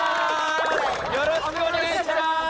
よろしくお願いします！